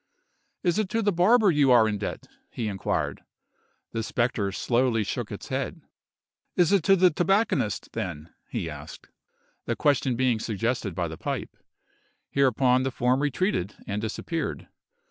"Is it to the barber you are in debt?" he inquired. The spectre slowly shook its head. "Is it to the tobacconist, then?" asked he, the question being suggested by the pipe. Hereupon the form retreated, and disappeared.